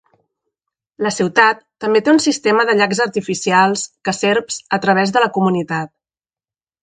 La ciutat també té un sistema de llacs artificials que serps a través de la comunitat.